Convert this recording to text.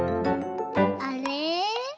あれ？